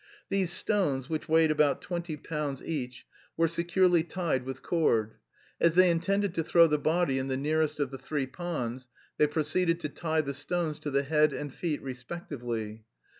These stones, which weighed about twenty pounds each, were securely tied with cord. As they intended to throw the body in the nearest of the three ponds, they proceeded to tie the stones to the head and feet respectively.